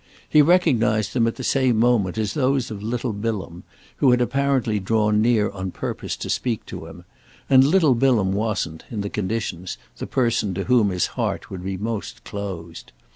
He recognised them at the same moment as those of little Bilham, who had apparently drawn near on purpose to speak to him, and little Bilham wasn't, in the conditions, the person to whom his heart would be most closed.